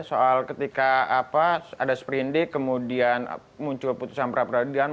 soal ketika ada seprindik kemudian muncul putusan perapradilan